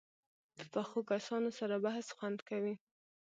پخو کسانو سره بحث خوند کوي